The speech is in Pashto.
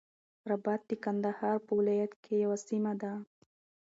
رباط د قندهار په ولایت کی یوه سیمه ده.